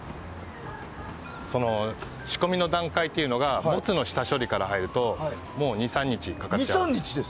仕込みの段階というのはモツの下処理から入るともう、２３日かかっちゃいます。